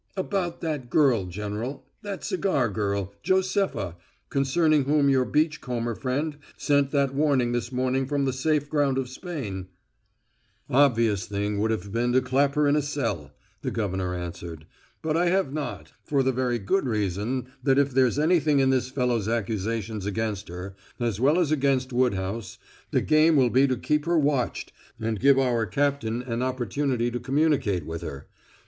"About that girl, General that cigar girl, Josepha, concerning whom your beach comber friend sent that warning this morning from the safe ground of Spain " "Obvious thing would have been to clap her in a cell," the governor answered. "But I have not, for the very good reason that if there's anything in this fellow's accusations against her, as well as against Woodhouse, the game will be to keep her watched and give our captain an opportunity to communicate with her.